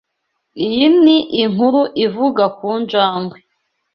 Iyi ni inkuru ivuga ku njangwe.